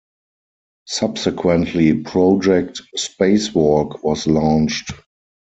Subsequently, project Spacewalk was launched.